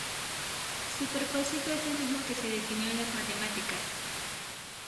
Su propósito es el mismo que se definió en las matemáticas.